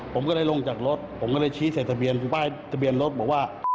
ผมก็ได้ลงจากรถผมก็ได้ชี้ใส่ทะเบียนรถบอกว่า